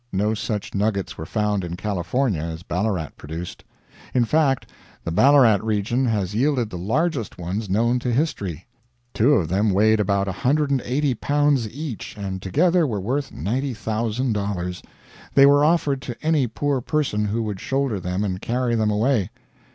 No such nuggets were found in California as Ballarat produced. In fact, the Ballarat region has yielded the largest ones known to history. Two of them weighed about 180 pounds each, and together were worth $90,000. They were offered to any poor person who would shoulder them and carry them away.